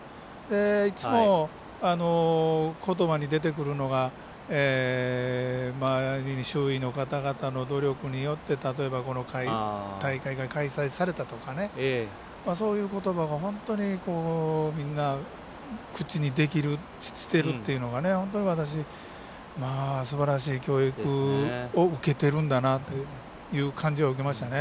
いつも、ことばに出てくるのが周囲の方々の努力によって例えば、大会が開催されたとかそういうことばが、本当にみんな、口にできるしてるというのが本当に私、すばらしい教育を受けてるんだなという感じを受けましたね。